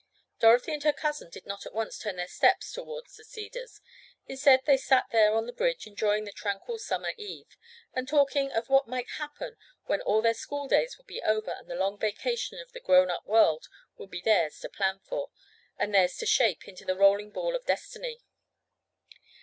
Dorothy and her cousin did not at once turn their steps toward the Cedars; instead they sat there on the bridge, enjoying the tranquil summer eve, and talking of what might happen when all their schooldays would be over and the long "vacation" of the grown up world would be theirs to plan for, and theirs to shape into the rolling ball of destiny.